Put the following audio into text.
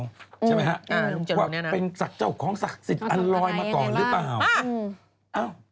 ใช่ไหมฮะว่าเป็นศักดิ์เจ้าของศักดิ์สิทธิ์อันลอยมาก่อนหรือเปล่า